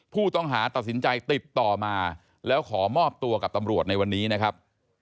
ผู้ต้องหาตัดสินใจติดต่อมาแล้วขอมอบตัวกับตำรวจในวันนี้นะครับ